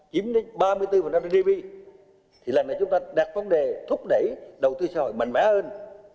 chiếm đến ba mươi bốn năm thì là lần này chúng ta đạt vấn đề thúc đẩy đầu tư xã hội mạnh mẽ hơn